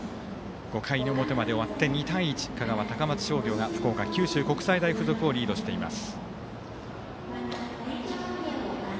５回の表まで終わって２対１香川、高松商業が福岡、九州国際大付属をリードしています。